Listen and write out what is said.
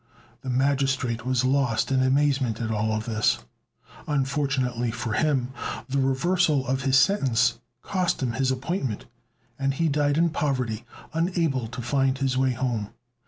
The magistrate was lost in amazement at all this; unfortunately for him the reversal of his sentence cost him his appointment, and he died in poverty, unable to find his way home.